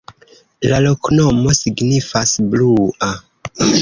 La loknomo signifas: blua.